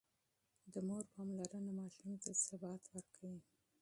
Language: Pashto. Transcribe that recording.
د مور پاملرنه ماشوم ته ثبات ورکوي.